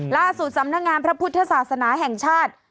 ล่าสุดสำนักงานพระพุทธศาสนาแห่งชาติ